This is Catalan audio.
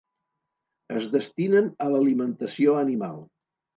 Es destinen a l'alimentació animal.